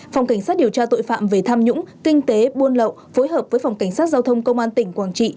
phòng cảnh sát điều tra tội phạm về tham nhũng kinh tế buôn lậu phối hợp với phòng cảnh sát giao thông công an tỉnh quảng trị